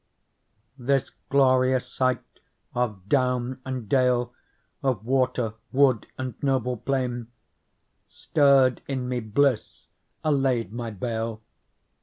This glorious sight of down and dale. Of water, wood, and noble plain, Stirred in me bliss, allayed my bale.